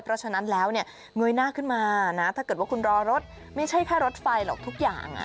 เพราะฉะนั้นแล้วเนี่ยเงยหน้าขึ้นมานะถ้าเกิดว่าคุณรอรถไม่ใช่แค่รถไฟหรอกทุกอย่าง